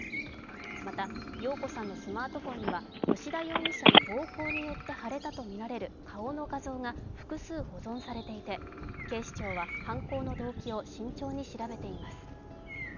また、容子さんのスマートフォンには、吉田容疑者の暴行によって腫れたとみられる顔の画像が複数保存されていて、警視庁は犯行の動機を慎重に調べています。